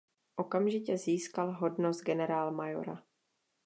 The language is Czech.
Okamžitě získal hodnost generálmajora.